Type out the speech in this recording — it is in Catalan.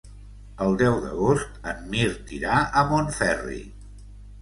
El deu d'agost en Mirt irà a Montferri.